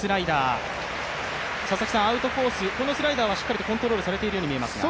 アウトコース、このスライダーはしっかりコントロールされているように見えますが？